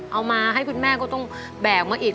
เอามาให้คุณแม่ก็ต้องแบกมาอีก